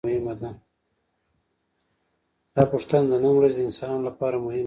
دا پوښتنه د نن ورځې انسانانو لپاره مهمه ده.